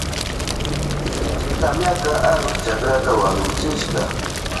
Sinchi tamyaka arus chakrata waklichishka.